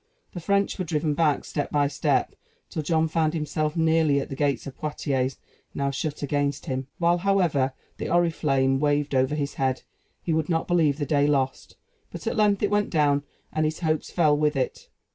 The French were driven back, step by step, till John found himself nearly at the gates of Poitiers, now shut against him. While, however, the oriflamme waved over his head, he would not believe the day lost; but, at length it went down, and his hopes fell with it.